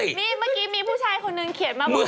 นี่เมื่อกี้มีผู้ชายคนนึงเขียนมาบอก